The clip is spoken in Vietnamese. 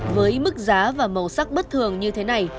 với mức giá và màu sắc bất thường như thế này